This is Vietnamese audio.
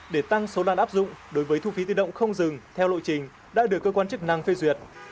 để tăng số đoàn áp dụng đối với thu phí tự động không dừng theo lộ trình đã được cơ quan chức năng phê duyệt